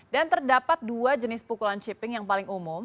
dan terdapat dua jenis pukulan chipping yang paling umum